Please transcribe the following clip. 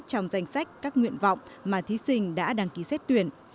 trong danh sách các nguyện vọng mà thí sinh đã đăng ký xét tuyển